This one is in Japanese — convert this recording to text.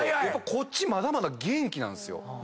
こっちまだまだ元気なんすよ。